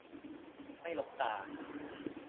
ไม่รกตา